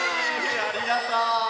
ありがとう！